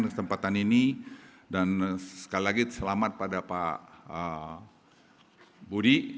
kesempatan ini dan sekali lagi selamat pada pak budi